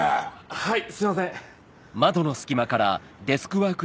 はいすいません。